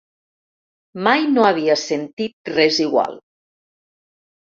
Mai no havia sentit res igual.